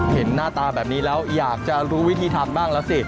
เห็นหน้าตาแบบนี้แล้วอยากจะรู้วิธีทำบ้างแล้วสิ